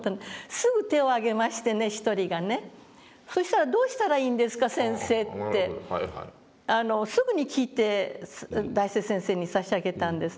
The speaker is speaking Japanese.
すぐ手を挙げましてね１人がね「そしたらどうしたらいいんですか先生」ってすぐに聞いて大拙先生にさし上げたんですね。